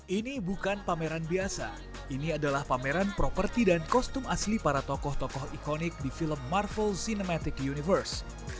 ini bukan pameran biasa ini adalah pameran properti dan kostum asli para tokoh tokoh ikonik di film marvel cinematic universe